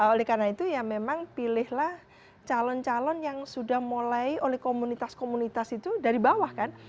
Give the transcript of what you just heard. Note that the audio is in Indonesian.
oleh karena itu ya memang pilihlah calon calon yang sudah mulai oleh komunitas komunitas itu dari bawah kan